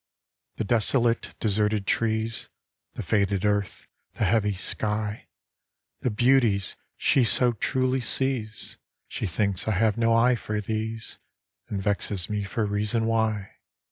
The desolate, deserted trees, The faded earth, the heavy sky, The beauties she so truly sees, She thinks I have no eye for these, And vexes me for reason why.